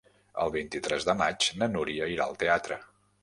El vint-i-tres de maig na Núria irà al teatre.